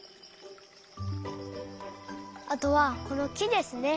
あとはこのきですね。